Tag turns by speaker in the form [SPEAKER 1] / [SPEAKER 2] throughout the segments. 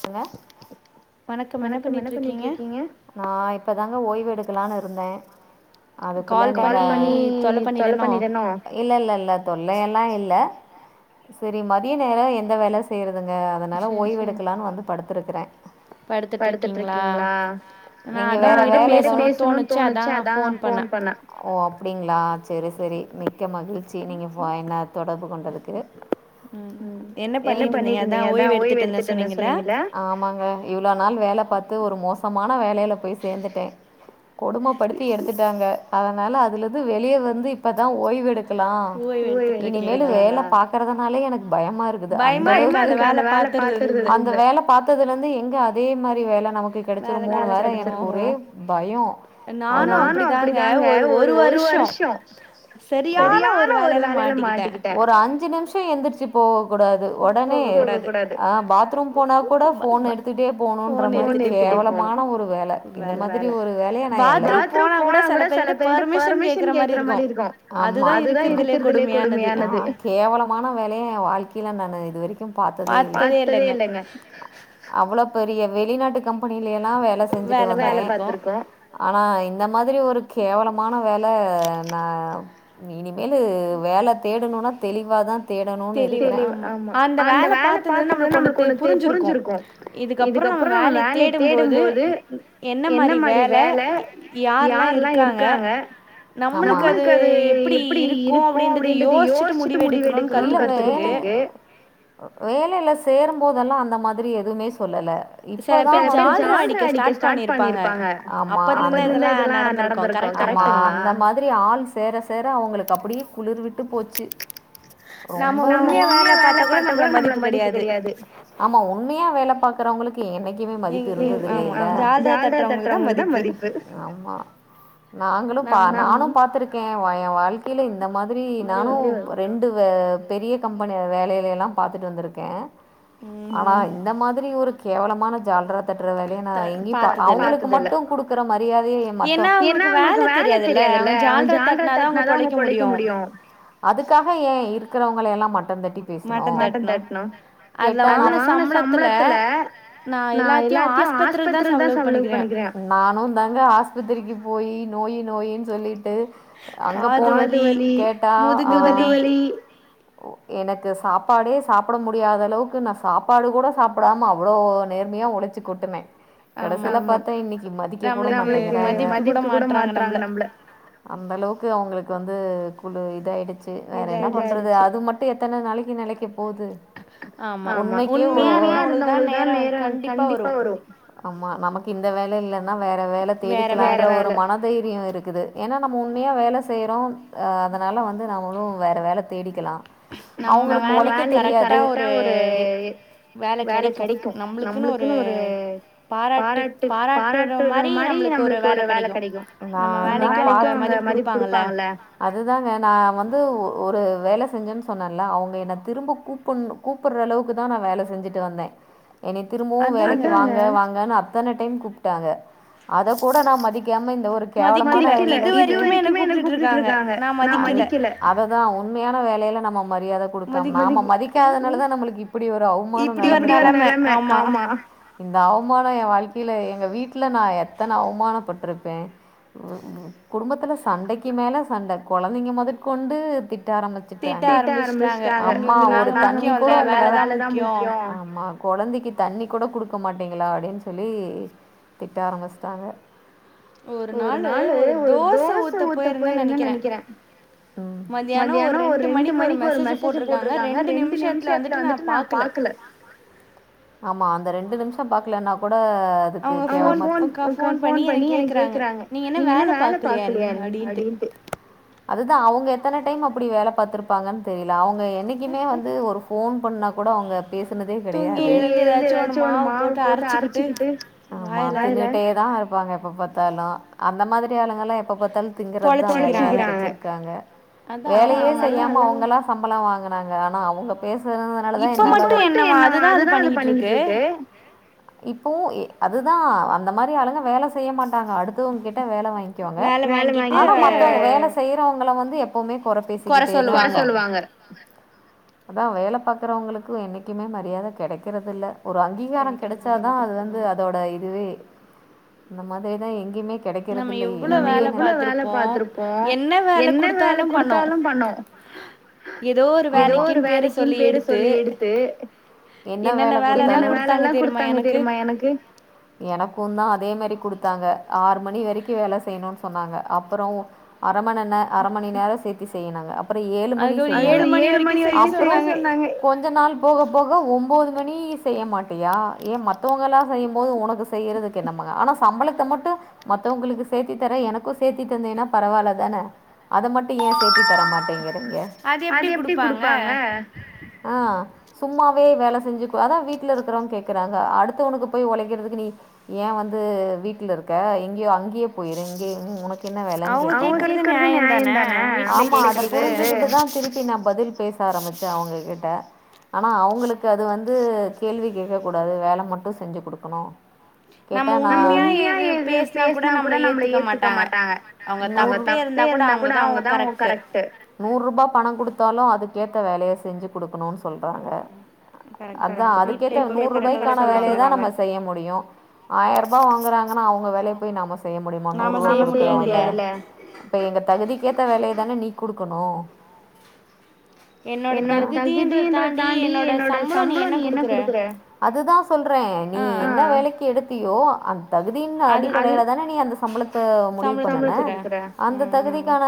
[SPEAKER 1] hello வணக்கம் என்ன பண்ணிட்டு இருக்கீங்க நா இப்பதாங்க ஓய்வு எடுக்கலாம்னு இருந்தே அதுக்குள்ள நீங்க கால் பண்ணி தொல்ல பண்ணிடனோ இல்ல இல்ல இல்ல தொல்லை எல்லா இல்ல சேரி மதிய நேரம் எந்த வேல செய்ய துங்க அதனால ஓய்வு எடு படுத்திருக்கிறே படுத்திட்டு இருக்கீங்களா நீங்க வேற வேல உங்க கிட்ட பேசணும்னு தோணுச்சு அதா போன் பண்ண ஓ அப்படிங்களா சேரி சேரி மி க்க மகிழ்ச்சி நீங்க போன என்ன தொடர்பு கொண்டதுக்கு
[SPEAKER 2] உம் என்ன பண்ணிட்டு இருந்தீங்க அதா ஓய்வு எடுத்துட்டு இருந்த சொன்னீங்க
[SPEAKER 1] சொன்னீங்களா ஆமாங்க இவ்ளோ நாள் வேல பாத் து ஒரு மோசமான வேலைல போய் சேர்ந்துட்டே கொடுமப்படுத்தி எடுத்துட்டாங்க அதனால அதுல வந்து வெளியே வந்து இப்போ தா ஓய்வெடு க்கல இனிமல வேல பாக்குறதுனாலே எனக்கு பயமா இருக்கு அந்த அளவுக்கு பயமா இருக்கு வேல பாக்குறது அந்த வேல பார்த்ததுல இருந்து எங்க அதே மாரி வேல நமக்கு கெடச்சுருமோனு வேர எனக்கு ஒரே பயோ நானு அப்படிதாங்க ஒ ஒரு வருஷோ சரியான ஒரு வேலைல மாட்டிக்கிட்ட ஒரு அஞ்சு நிம்ஷ் எந்திர்ச்சுப் போ கூடாது ஒடனே போக கூடாது அ பாத்ரூம் போனா கூட ஃபோன் எடுத்துட்டே போனுன்ற மாரி கேவலமான ஒரு வேல இந்த மாதிரி ஒரு வேலய நா என் லை பாத்ரூம் போன கூட சில பேர் கிட்ட பெர்மிஷன் கேக்குற மாரி இருக்கு ஆமா அது தா இருக்கறதுலே கொடுமையானது கேவலமான வேலைய எ வாழ்க் கைல நானு இது வரைக் கு பாத்ததே இல்ல பாத்ததே இல்லேங்க அவ்வளவு பெரிய வெளிநாட்டு கம்பனி ல யெல்லா வேல செஞ்சுட்டு வந்து வேல பாத்திருக்கோம் ஆனா இந்த மாதிரி ஒரு கேவலமான வேல நா இனிமேலு வேல தேடணுனா தெளிவா தா தேடணுனு இருக்குற ஆமா இல்ல வேல வேலெல்ல சே போதல்லா அந்த மாதிரி எதுமே சொல்லல இப்பதா வந்துட்டு ஆமா அந்த ஆமா அந்த மாதிரி ஆள் சேர சேர அவுங்களுக் அப்டியே குளிர்விட்டு போச்சு ரொம்ப ஆமா உண்மையா வேல பாக்குறவுங்களுக் கு என்னைக்குமே மதிப்பிருந்ததில்லைல ஆமா நாங்களு பா நானு பாத்திருக்கே வ எ வாழ் [unintelligible] இந்த மாதிரி நானு ரெண்டு வே பெரிய கம்பனி வேலைலயெல்லா பாத்துட்டு வந்திருக்கே ஆனா இந்த மாத் திரி ஒரு கேவலமான ஜால்ராத் தட்ர வேலைய நா எங்கயு பா அவுகளுக்கு மட்டு குடுக்குற மரியாதைய மத்தவ் அதுக்காக ஏ இருக்கறவுங்கல எல்லா ட்டந் தட்டி பேசனு கேட்ட நா நானுந் தாங்க ஆஸ்பத்திரிக்கு போயி யி நோயி நோயின் சொல்லிட் ட்டு அங்க போய் கேட்டா ஆஹ் ஒ எனக்கு சாப்பாடே சாப்ட முடியாதளவுக் கு நா சாப்பாடு கூட சாப்புடாம அவ்ளோ நேர்மையா உழச்சு கொட்டுன கடசில பாத்தா இன்னிக்கு மதிக்க கூட மாட்டிங்கறாங்க அந்தளவுக்கு அவுங்கள வந்து குழு இதாயிடுச் வேற என்ன பண்றது அது மட்டும் எத்தனை நாளைக்கு நிலைக்கு போது உண் உண்மையா இருந்தவனுக்கு தான் நேரம் கண்டிப்பா வரும் ஆமா நமக்கு இந்த வேலை இல்லேன்னா வேற வேலை தேடிக்கலாம் மனதைரியம் இருக்குது ஏன்னா நம்ம உண்மையா வேலை செய்யறோம் அதனால வந்து நம்மளும் வேற வேலை தேடி ல அவங்க உழைக்க தெரியாது சேரி வேல கெடைக்கு நம்மளுக்குன்னு ஒரு பாராட்டு பாராட்டுற மாரி நம்மளுக்கு ஒரு வேல கெடைக்கும் நம்ம வேலைக்கு மதிப்பு குடுப்பாங்கல்ல அதுதாங்க நா வந்து ஒரு வேலை செஞ்சேன்னு சொன்னேல்ல அவங்க என் திரும்ப கூப்புன்னு கூப்புற அளவுக்குதா நா வேலை செஞ்சுட்டு வந்தே என்னய திரும்பவு வேலைக்கு வாங்க வாங்கன்னு அப் அத்தன டைம் கூப்ட்டாங்க அத கூட நா மதிக்காம இந்த ஒரு கேவல இது வரைக்குமே என்ன கூப்ட்டுட்டு இருக்காங்க நா மதிக்கல அததா உண்மையான வேலையிலே நம்ம மரியாதை கொடுக்க நாம மதிக்காத நம்மளுக்கு இப்படி ஒரு அவமானம் நெலம ஆமா இந்த அவமானம் ஏ வாழ்க்கையில எங்க வீட்டுல நா எத்தனை அவமானப்பட்டுருப்பே குடும்பத்துல சண்டைக்கு மேல சண்டை கொழந்தைங்க முதக் கொண்டு திட் திட்ட ஆரம்பிச்சுட்டாங்க திட்ட ஆரம்பிச்சுட்டாங்க [unintelligible] அம்மா ஒரு தண்ணி வேலைதா முக்கியோ ஆமா கொழந்தைக்கு தண்ணி கூட குடுக்க மாட்டீங்களா அப்படின்னு சொல்லி திட்ட ஆரம்ச்சிட்டாங்க ஒரு நாளு ஒரு தோசை ஊத்த போயிருந்தேனு நெனைக்கிறே மத்தியான ஒரு ரெண்டு மணிக்கு ஒரு மெசேஜ் போட்டிருக்காங்க ரெண்டு நிமிஸ் பிஸ்கட்ல வந்துட்டு நா பாக்கல ஆமா ரெண்டு நிமிஷ பாக்கலேனா கூட ஒருக்கா போன் பண்ணி என்னை கேக்கறாங்க நீ என்ன வேலை பாக்கலயா நீஅப்படீன்ட்டு அதுதான் அவங்க எத்தனை டைம் அப்படி வேலை பாத்திருப்பாங்கன் தெரியல அவங்க நா என்னைக்குமே வந்து ஒரு ஃபோன் பண்ணா கூட அவங்க பேசுனதே கெடையாது தூங்கி எழுந்து ஏதாச்சு ஒன்னு மாவு போட்டு அரைச்சுகிட்டு ஆமா தின்னுட்டேதாப் ப்பாங்க எப்ப பார்த்தாலு அந்த மாதிரி ஆளுங்க எல்லா எப் எப்ப பாத்தாலு திங்கறது தா வேலயா வச்சுருக்காங்க வேலயே செய்யாம அவங்கெல்லா சம்பளம் வாங்க ங்க ஆனா அவங்க இப்ப மட்டு என்னவா அது தா அது பண்ணிகிட்ருக்கு இப்பவு எ அது தா அந்த மாரி ஆளுங்க வேல செய்ய மாட்டாங்க அடுத்தவங் கிட்ட வேல வாங் ங்க்கிவாங்க [inaudible] ஆனா மத்தவங்க வேல செய்யறவங்கள வந் எப்பவுமே கொற பேசிக்கிட்டே தா இருப்பா அதா வேல பாக்குறவங்களுக்கு என்னைக்கிமே மரியாத கெடைக்கறதில்ல ஒரு அங்கீகாரோ கெடச்சா தா அது வந்து [unintelligible] அதோட இதுவே இந்த மாதிரி தா எங்கயுமே நம்ம எவ்ளோ வேல பாத்துருப்போ என்ன வேல குடுத்தாலு பண்ணோ எதோ ஒரு வேல என்ன வேல குடுத்தாங்க எனக்கு தா அதே மாரி குடுத்தாங்க ஆ ஆறு மணி வரைக்கு வேல செய்யணு சொன்னாங்க அப்பறோ அப் அர மண் நே அரமணி நேர சேத்தி செ செய்யனாங்க அப்பறோ ஏழு மணி செஞ்சங்க அது ஒரு ஏழு மணி வெரிக்கு ஆம் ப்றோ கொஞ்ச நாள் போக போக ஒம்போது [unintelligible] நீ செய்ய மாட்டியா ஏ மத்தவங்கல்லா செய்யும்போது உனக்கு செய்யறதுக்கு என்னமா ஆனா சம்பளத்த மட்டு மத்தவங்களுக்கு சேத்தி தர எனக்கு சேத்தி தந்தீன்னா பரவால்ல தான அத மட்டு ஏ சேத்தி தரமாட்டிங்கற இங்க அது எப்டி குடுப்பா அ ஆ சும்மாவே வேல செஞ்சி கு அதா வீட்ல இருக்குறவங் கேக்குறாங்க அடுத்தவனுக்கு போய் ஒழைக்கிறதுக்கு நீ ஏன் வந்து வீட்ல இருக்க எங்கேயோ அங் ங்கயோ போய்ரு இங்க [unintelligible] உனக்கென்ன வேலனு கேக்கறாங்க [inaudible] ஆமா அத புரிஞ்சிகிட்டு தா திருப்பி நா பதில் பேச ஆரம்பிச்சே அவங்க கிட்ட ஆனா அவங்களுக்கு அது வந்து கேள்வி கேக்க கூடாது வேல மட்டு செஞ்சு குடுக்கணு கேட்டா நா நம்ப உண்மையா இது பேசுனா கூட நம்மல ஏத்துக்க மாட்டாங்கங்க [unintelligible] அவங்க தப்பே இருந்தா கூட அவங்கதா உ கரெக்ட்டு நூறு ரூபா பணோ குடுத் த்தாலு அதுக் கேத்த வேலைய செஞ்சு குடுக்கணு சொல்றாங்க அதா அதுக்கேத்த நூறு ரூபாய்க்கான வேலைய தா நம்ம செய்ய முடியு ஆயிர ரூபா வாங்குறாங்கன்னா அவங்க வேலைய போய் நாம செய்ய முடியுமா நூரூபா [unintelligible] இப்ப எங்க தகுதிக்கேத்த வேலையதான நீ குடுக்கணு என்னோட தகுதின்றத தாண்டி என்னோட சம்பளோ நீ என்ன குடுக்கற [inaudible] அ தகுதியின் அடிப்படைல தான நீ அந்த சம்பளத்த முடிவு பண்ண அந்த தகுதிக்கான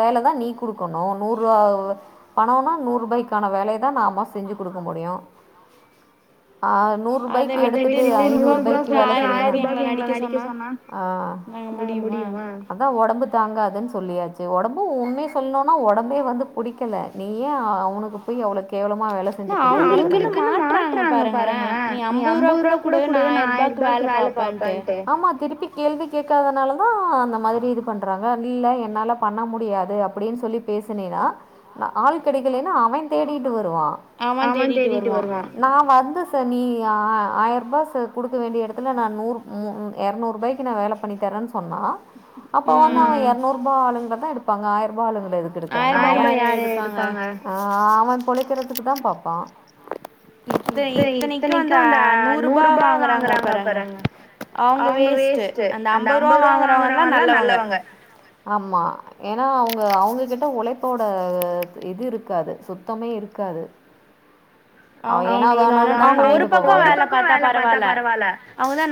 [SPEAKER 1] வேல தா நீ குடுக்கணு நூர்ருவாவ பணோனா நூறு ரூபாய்க்கான வேலையை தா நாம செஞ்சு குடுக்க முடியு ஆஹ் நூர் ரூபாய்க்கு எடுத்துட்டு [inaudible] ஆ அதா ஒடம்பு தாங்காதுன் சொல்லியாச் சே ஒடம்பு உண்மைய சொல்னோ ம உடம்பே வந்து புடிக்கல நீயே அவனுக்கு போய் அவ்வளேக் கேவலமா வேலை செஞ்சு குடுத்துட்டுறாங்க அவங்களுக்கு மாட்றாங்க பாருங்களே நீ ஐம்பது ரூபா கூட குடு நா ஆயிரம் ரூபாக்கு வேலை பாப்பேன்ட்டு ஆமா திருப்பி கேள்வி கேக்காதனால ஆஹ் அந்த மாதிரி இது பண்றாங்க இல்ல என்னால பண்ண முடியாது அப்படின்னு சொல்லி பேசனினா ந ஆள் கெடைக்கல்லன்னா அவன் தேடிட்டு வரு வான் அவன் தேடிட்டு வருவா நா வந்து ஸ் சார் நீ ஆ ஆயிர ரூபா சார் குடுக்க வேண்டிய எடத்துல நா நூறு மு இரநூறு ரூபாய்க்கு நா வேலை பண்ணி தரேன்னு சொன்னா அப்போ வந்து அவ இரநூறு ரூபா ஆளுங்களா தா எடுப் ப்ப அங்க ஆயிரூபா ஆளுக்கு எதுக்கு எடுக்கறாங்க எடுப்பாங்க ஆமா பொலி விக்கறதுக்கு தா பாப்பா இப்ப இத்தனைக்கும் அந்த நூறு ரூபா வாங்குறாங்க பாருங்க அவ்ங்க வேஸ்ட் அந்த ஐம்பது ரூபா வாங்கறவங்கல்லா நல்லவங்க ன்னா அவங்க அவங்ககிட்ட உழைப்போட இது இருக்காது சுத்தமே இருக்காது [inaudible] ஒரு பக்கோ வேல பாத்தா பரவால்ல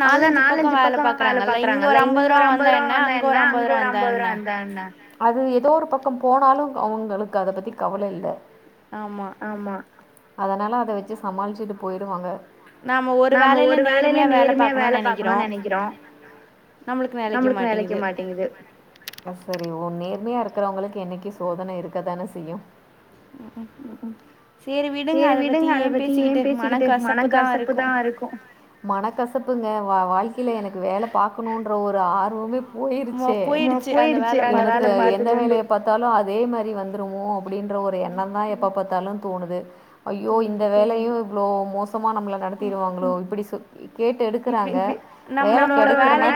[SPEAKER 1] அவ்ங்கதா நாலஞ்சு பக்கம் வேல பாக்குறாங்கல்ல இங்க ஒரு ஐம்பது ரூபாய வந்தா என்ன அங்க ஒரு அம்பது ரூபா வந்தா என்ன அது ஏதோ ஒரு பக்கம் போனாலு அவங்களுக் கு அத பத்தி கவல இல்ல
[SPEAKER 2] ஆமா
[SPEAKER 1] அதனால அத வச்சு சமாளிச்சுட்டு போயிடுவாங்க நாம ஒரு வேலையில நேர்மையா வேல பாக்கணு நெனைக்கிறோ நம்மளுக்கு நெலைக்க மாட்டேங்குது உண்மையா இருக்கிறவங்களுக்கு என்னைக்கு சோதனை இருக்கு க்கதானே செய்யு சேரி விடுங்க அத பத்தி ஏன் பேசிக்கிட்டு மன கசப்புதான் இருக்கும் ஒரு ஆர்வமேப் போயிருச்சே [inaudible] அதெ மாரி வந்த் னமோ அப்டின்ற ஒரு எண்ணோ தான் எப்ப பாத்தாலு பாத்தாலு தோணுது ஐயோ இந்த வேலையு இவ்ளோ சுத்மா நம்மள நடத்திருவாங்களோ இப்படி சொ கேட்டு எடுக்கறாங்க வேல க [inaudible]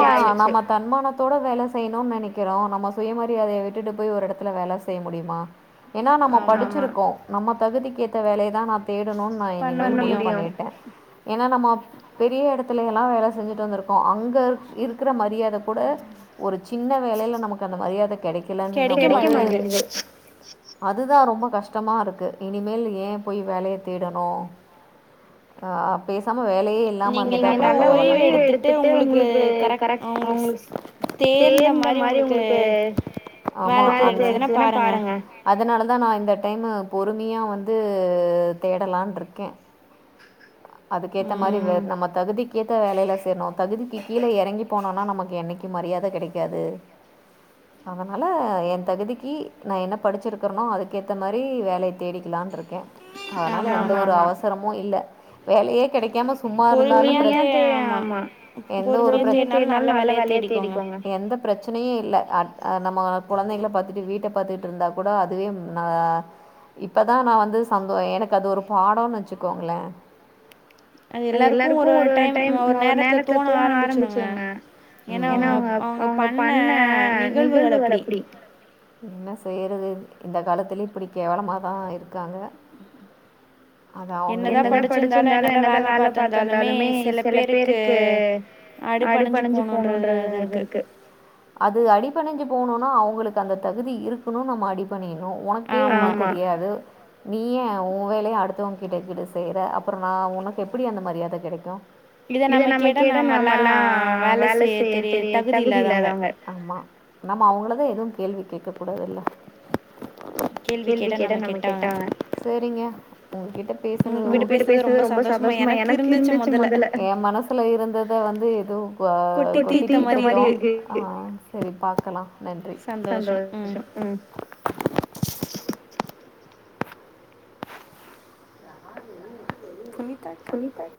[SPEAKER 1] ஆமா நாம தன்மானத்தோட வேலை செய்யணும்னு நினைக்க விக்கிறோம் நம்ம சுய மரியாதையை விட்டுட்டு போய் ஒரு இடத்துல வேல செய்ய முடியுமா ஏன்னா நம்ம படிச்சிருக்கோ நம்ம தகுதிக்கேத்த வேலையதா நாப் தேடணு நா இனிமேல் முடியு பண்ணிட்ட ஏன்னா நம்ம அப் பெரிய இடத்துல எல்லா வேல செஞ்சுட்டு வந்திருக்கோ அங்க இருக் இருக்குற மரியாத கூட ஒரு சின்ன வேலைல நமக்கு அந்த மரியாத கெடைகலங்கும் போது அதுதா ரொம்ப கஷ்டமா இருக்கு இனிமேல் ஏ போய் வேலைய தேடணு அ பேசாம வேலயே இல்லாம [inaudible] இந்த மாரி உங்ளுக்கு வேல தேடுச்சுதுனா பாருங்க பொறுமையா வந்து தேடலான் ருக்கேன் அதுக்கேத்த மாரி நம்ம தகுதிக்கு ஏத்த வேலைல செர்ணோ தகுதிக்கு கீழே இறங்கி போனோனா நமக்கு என்னைக்கு மரியாதை கிடைக்காது அதனால என் தகுதிக்கு நான் என்ன படிச்சிருக்கறேனோ அதுக்கேத்த மாரி வேலையை தேடிக்கலான் இருக்கேன் அதனால எந்த ஒரு அவசரமு இல்ல வேலயே கிடைக்காம சும்மா இருந்தாலும் பிரச் பொறுமையா தேடு ஆமா எந்த ஒரு பிரச் பொறுமையா தேடினாலு நல்ல வேலயா தேடிக்கோங்க எந்த பிரச்ச னையே இல்ல அட் அ நம்ம குழந்தைங்களளை பாத்துட்டு வீட் வீட்ட பாத்துட்டு இருந்தா கூட அதுவே ம் ஆ இப்பதா நா வந்து சந்தோ எனக்கு அது ஒரு பாடொ வச்சுக்கோங்கள அது எல்லாருக்ககொ ஒரு டைம் ஒரு நேரத்துல தோண ஆரம்பிச்சிடுங்க ஏன்னா அவங்க அவங்க பண்ண நிகழ்வுகள் அப்டி என்ன செய்யறது இந்த காலத்துலயு இப்படி கேவலமாதா இருக்காங்க அதா அங்களே என்னதாக் படிச்சிருந்தாலு என்னதா வேலை பாத்திருந்தாலுமே சில பேருக்கு அடிபணிஞ்சு போணுன்றது து இருக்கு அது அடிபணிஞ்சு போணுனா அவங்களுக்கு அந்த தகுதி இருக்குணு நம்ம அடி பணியனு உனக்கே ஒண்ணு தெரியாது நீயே உன் வேலய அடுத்தவங்க கிட்ட கிட்ட செய்ற அப் புரொ நா உனக்கு எப்டி அந்த மரியாத கெடைக்கு இத நம்ம கேட நாம்லா வேலை செய்ய தெரிய தகுதி இல்லாதவங்க ஆமா நம்ம அவங்களதா எதுவு கேள்வி கேக்க கூடாது இல்ல கேள்வி கேட்டா நம்ம கெட்டவங்க செரிங்க உங்க கிட்ட பேசுனது உங்க கிட்ட பேஸ் ரொம்ப சந்தோஷமா எனக்கு இருந்துச்சு முதல எ மனசுல இருந்தத வந்து ஏதோ அ கொட்டி தீர்த மாரி இருக்கு சரி பாக் ஹலோ நன்றி சந்தோஷம் உம்
[SPEAKER 2] புனித்தா கா